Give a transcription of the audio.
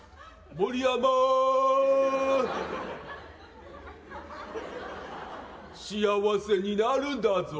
盛山、幸せになるんだぞー。